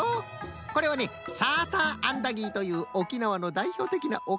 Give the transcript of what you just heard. これはねサーターアンダギーという沖縄のだいひょうてきなおかし。